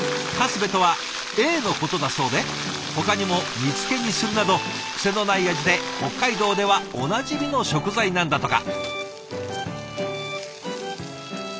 カスベとはエイのことだそうでほかにも煮つけにするなどクセのない味で北海道ではおなじみの食材なんだとか。